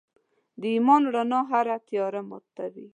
د ایمان رڼا هره تیاره ماتي.